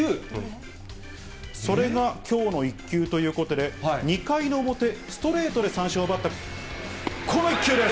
それがきょうの一球ということで、２回の表、ストレートで三振を奪ったこの一球です。